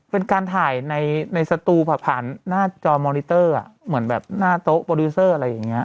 เป็นการถ่ายในสตูผ่านหน้าจอมอนิเตอร์เหมือนแบบหน้าโต๊ะโปรดิวเซอร์อะไรอย่างนี้